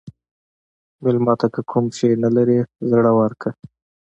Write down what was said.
مېلمه ته که کوم شی نه لرې، زړه ورکړه.